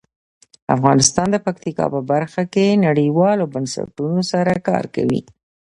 افغانستان د پکتیکا په برخه کې نړیوالو بنسټونو سره کار کوي.